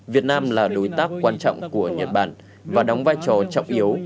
việt nam là đối tác quan trọng của nhật bản và đóng vai trò trọng yếu